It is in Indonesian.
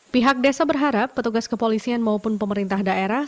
pihak desa berharap petugas kepolisian maupun pemerintah daerah